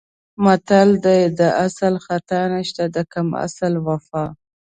متل دی: د اصل خطا نشته د کم اصل وفا.